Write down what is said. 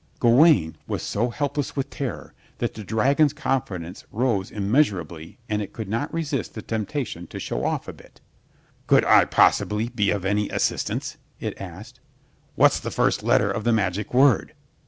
Gawaine was so helpless with terror that the dragon's confidence rose immeasurably and it could not resist the temptation to show off a bit. "Could I possibly be of any assistance?" it asked. "What's the first letter of the magic word?"